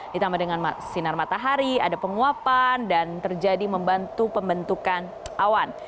ditambah dengan sinar matahari ada penguapan dan terjadi membantu pembentukan awan